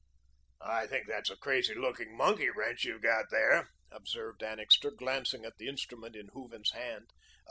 "I think that's a crazy looking monkey wrench you've got there," observed Annixter, glancing at the instrument in Hooven's hand.